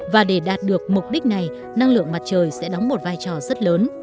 và để đạt được mục đích này năng lượng mặt trời sẽ đóng một vai trò rất lớn